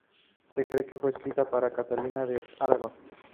Se cree que fue escrita para Catalina de Aragón.